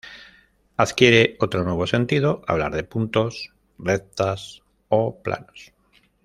Adquiere otro nuevo sentido hablar de puntos, rectas o planos.